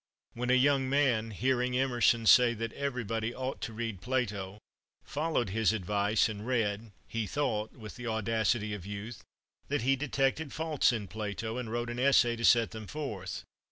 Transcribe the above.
When a young man, hearing Emerson say that everybody ought to read Plato, followed his advice, and read, he thought, with the audacity of youth, that he detected faults in Plato, and wrote an essay to set them forth.